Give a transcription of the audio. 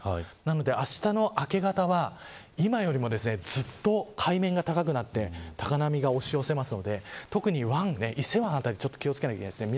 なので、あしたの明け方は今よりもずっと海面が高くなって高波が押し寄せるので特に、伊勢湾辺り気を付けないといけないですね。